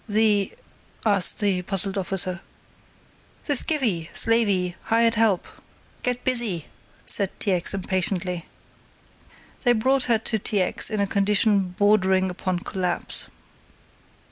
"The ?" asked the puzzled officer. "The skivvy slavey hired help get busy," said T. X. impatiently. They brought her to T. X. in a condition bordering upon collapse.